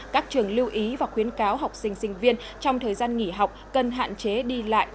các trường lưu ý và khuyến cáo học sinh sinh viên trong thời gian nghỉ học cần hạn chế đi lại